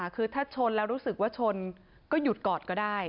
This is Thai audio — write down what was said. คือถ้าชนแล้วรู้สึกว่าชนก็หยุดกอดก็ได้